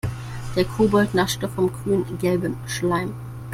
Der Kobold naschte vom grüngelben Schleim.